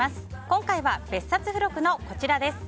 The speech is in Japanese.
今回は別冊付録のこちらです。